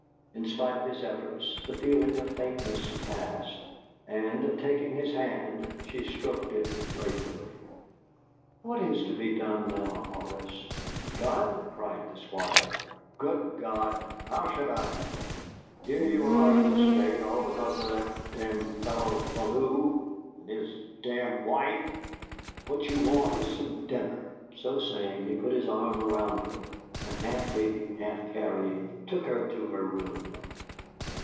In spite of his efforts the feeling of faintness passed, and, taking his hand, she stroked it gratefully. "What is to be done now, Horace?" "Done!" cried the Squire. "Good God! how should I know? Here you are in this state, all because of that d d fellow Bellew and his d d wife! What you want is some dinner." So saying, he put his arm around her, and half leading, half carrying, took her to her room.